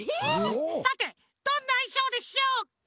さてどんないしょうでしょうか？